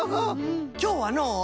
きょうはのう